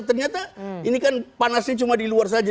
ternyata ini kan panasnya cuma di luar saja